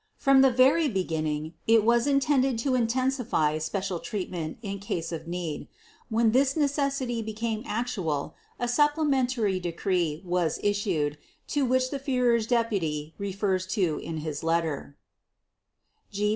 . From the very beginning it was intended to intensify special treatment in case of need: When this necessity became actual a supplementary decree was issued to which the Führer's deputy refers to in his letter